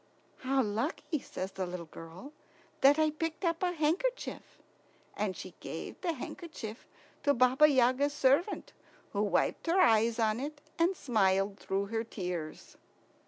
"How lucky," says the little girl, "that I picked up a handkerchief!" And she gave the handkerchief to Baba Yaga's servant, who wiped her eyes on it and smiled through her tears.